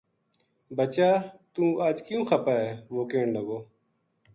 بچہ! توہ اج کیوں خپا ہے وہ کہن لگو